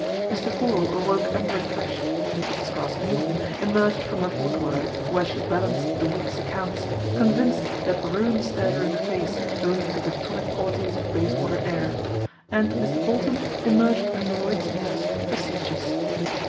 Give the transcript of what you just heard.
Mr. Cordal awoke unrefreshed, Mrs. Craske Morton emerged from her " boudoir," where she balanced the week's accounts, con vinced that ruin stared her in the face owing to the tonic qualities of Bayswater air, and Mr. Bolton emerged from Lloyd's News facetious.